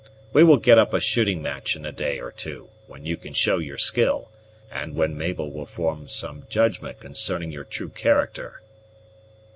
We will get up a shooting match in a day or two, when you can show your skill, and when Mabel will form some judgment concerning your true character."